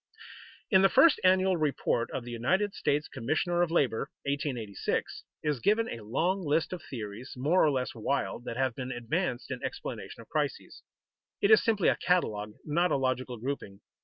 _ In the first annual report of the United States Commissioner of Labor (1886) is given a long list of theories, more or less wild, that have been advanced in explanation of crises. It is simply a catalogue, not a logical grouping.